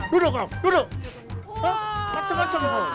duduk kau duduk